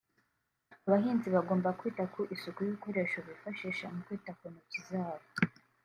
Abahinzi bagomba kwita ku isuku y’ibikoresho bifashisha mu kwita ku ntoki zabo